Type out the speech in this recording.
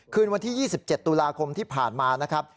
คืนวันที่๒๗ตุลาคมที่ผ่านมานะครับ